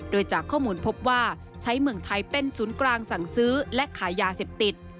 โดยจากข้อมูลพบว่าใช้เมืองไทยเป็นศูนย์กลางสั่งซื้อและขายยาเสพติด